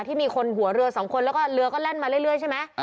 ที่มีคนหัวเรือสองคนแล้วก็เรือก็แล่นมาเรื่อยใช่ไหม